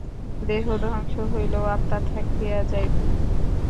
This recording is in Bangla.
দেহ ধ্বংস হইলেও আত্মা থাকিয়া যাইবেন।